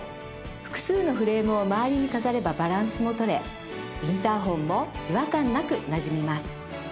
複数のフレームを周りに飾ればバランスも取れインターホンも違和感なくなじみます。